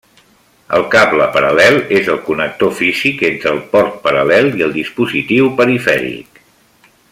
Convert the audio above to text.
El cable paral·lel és el connector físic entre el port paral·lel i el dispositiu perifèric.